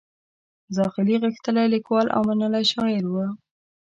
زاخیلي غښتلی لیکوال او منلی شاعر و.